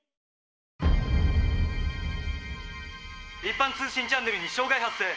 一般通信チャンネルに障害発生！